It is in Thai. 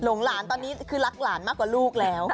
หลานตอนนี้คือรักหลานมากกว่าลูกแล้ว